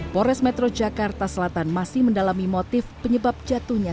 pores metro jakarta selatan masih mendalami motif penyebab jatuhnya